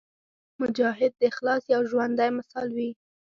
مجاهد د اخلاص یو ژوندی مثال وي.